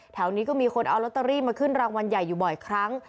แถวนี้ก็มีคนเอาลอตเตอรี่มาขึ้นรางวัลใหญ่อยู่บ่อยครั้ง